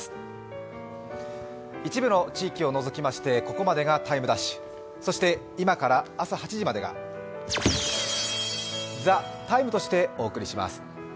一部の地域を除きましてここまでが「ＴＩＭＥ’」そして今から朝８時までが「ＴＨＥＴＩＭＥ，」としてお送りします。